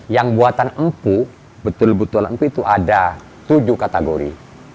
yang buatan empuk betul betul empu itu ada tujuh kategori